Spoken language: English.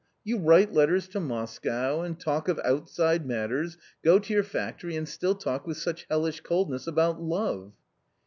you write letters to Moscow, and talk of outside matters, go to your factory and still talk with such hellish coldness about love